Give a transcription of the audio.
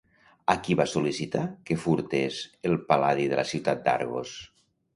A qui va sol·licitar que furtes el Pal·ladi de la ciutat d'Argos?